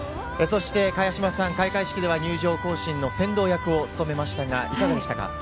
開会式では入場行進の先導役を務めましたが、いかがでしたか？